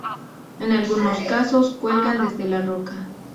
En algunos casos cuelgan desde la roca.